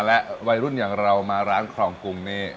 และวัยรุ่นอย่างเรามาร้านครองกรุงนี่